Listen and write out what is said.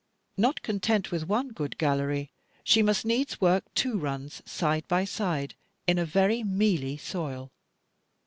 Not content with one good gallery, she must needs work two runs, side by side, in a very mealy soil.